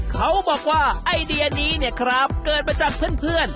เขาบอกว่าไอเดียนี้เนี่ยครับเกิดมาจากเพื่อน